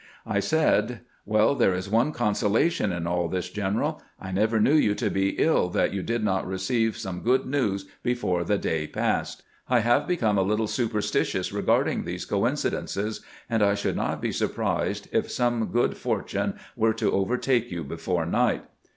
I said :" Well, there is one consolation in aU this, general: I never knew you to be ill that you did not receive some good news before the day passed. I have become a httle superstitious regarding these coinci dences, and I should not be surprised if some good for tune were to overtake you before night."